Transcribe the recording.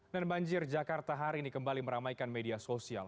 dan banjir jakarta hari ini kembali meramaikan media sosial